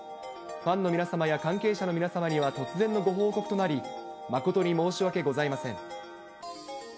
ファンの皆様や関係者の皆様には突然のご報告となり、誠に申し訳ございません。